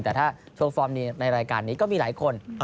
แต่ถ้าโชว์ฟอร์มดีในรายการนี้ก็มีหลายคน